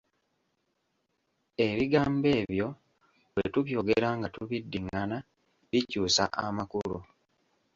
Ebigambo ebyo bwe tubyogera nga tubiddingana, bikyusa amakulu.